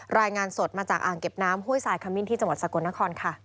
รายงานสดมาจากอ่างเก็บน้ำห้วยสายขมิ้นที่จังหวัดสกลนครค่ะ